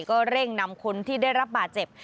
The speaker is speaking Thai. ก็เร่งนำคนที่ได้รับบาดเจ็บ